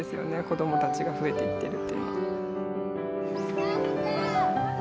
子どもたちが増えていってるというのは。